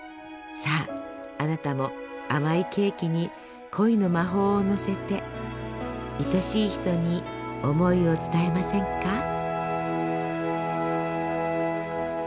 さああなたも甘いケーキに恋の魔法をのせて愛しい人に思いを伝えませんか？